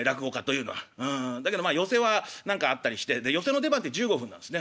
うんだけどまあ寄席は何かあったりしてで寄席の出番て１５分なんですね。